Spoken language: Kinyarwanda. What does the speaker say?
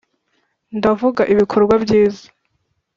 ndavuga ibikorwa byiza